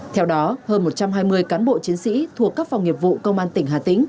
theo đó hơn một trăm hai mươi cán bộ chiến sĩ thuộc các phòng nghiệp vụ công an tỉnh hà tĩnh